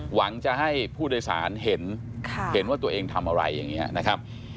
หวังจะให้ผู้โดยสารเห็นเห็นว่าตัวเองทำอะไรอย่างนี้นะครับ